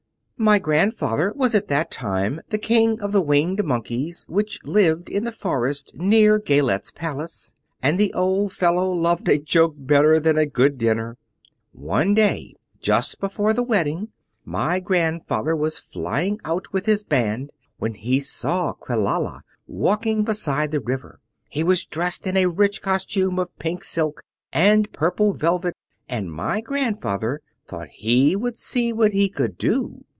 "My grandfather was at that time the King of the Winged Monkeys which lived in the forest near Gayelette's palace, and the old fellow loved a joke better than a good dinner. One day, just before the wedding, my grandfather was flying out with his band when he saw Quelala walking beside the river. He was dressed in a rich costume of pink silk and purple velvet, and my grandfather thought he would see what he could do.